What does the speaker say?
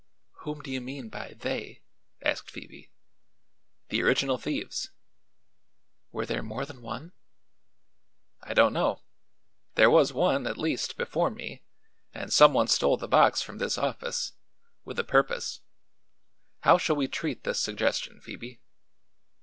"Whom do you mean by 'they'?" asked Phoebe. "The original thieves." "Were there more than one?" "I don't know. There was one, at least, before me, and some one stole the box from this office with a purpose. How shall we treat this suggestion, Phoebe?"